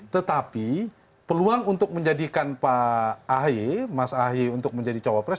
tetapi peluang untuk menjadikan pak ahie mas ahie untuk menjadi cowok pres